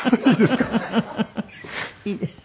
いいです。